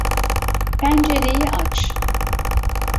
Pencereyi aç.